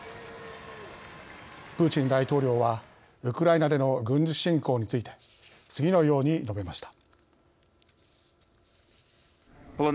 プーチン大統領はウクライナでの軍事侵攻について次のように述べました。